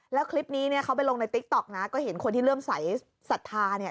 แล้วคลิปนี้เนี่ยเขาไปลงในติ๊กต๊อกนะก็เห็นคนที่เริ่มใส่ศรัทธาเนี่ย